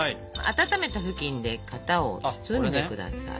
温めたふきんで型を包んで下さい。